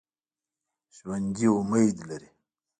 ژوندي امید لري